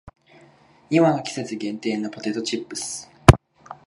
今の季節限定のポテトチップス